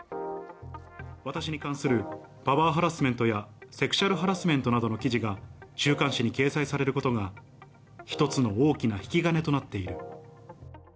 私に関するパワーハラスメントやセクシャルハラスメントの記事が週刊誌に掲載されることが、一つの大きな引き金となっている。